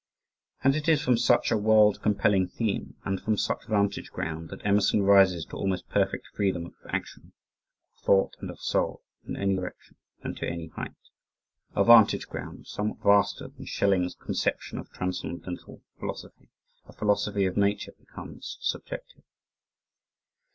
And it is from such a world compelling theme and from such vantage ground, that Emerson rises to almost perfect freedom of action, of thought and of soul, in any direction and to any height. A vantage ground, somewhat vaster than Schelling's conception of transcendental philosophy "a philosophy of Nature become subjective."